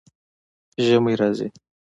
ژمی راځي